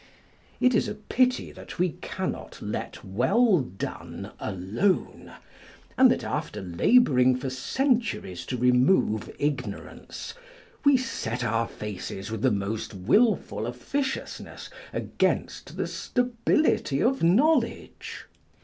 It is a pity that we cannot let well done alone, and that after labouring for centuries to remove ignorance, we set our faces with the most wilful officiousness against the stability of knowledge.